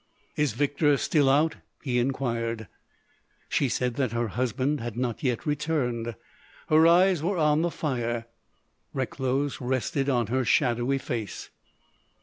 "Is Victor still out?" he inquired. She said that her husband had not yet returned. Her eyes were on the fire, Recklow's rested on her shadowy face.